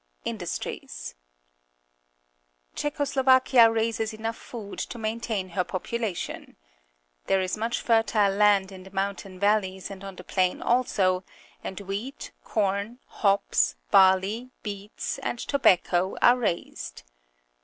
Industries. — Czecho Slovakia raises enough food to maintain her population. There is much fertile land in the mountain vaUeys and on the plain also, and wheat, corn, hops, barley, beets, and tobacco are raised.